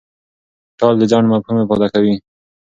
ټال د ځنډ مفهوم افاده کوي.